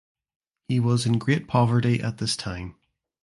He was in great poverty at this time.